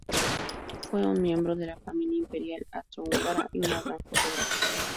Fue un miembro de la familia imperial austro-húngara y una gran fotógrafa.